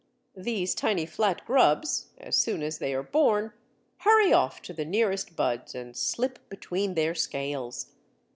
These tiny flat grubs, as soon as they are born, hurry off to the nearest buds and slip between their scales.